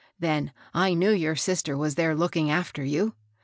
Then I knew your sister was there looking after you.